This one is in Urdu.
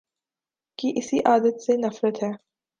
کی اسی عادت سے نفرت ہے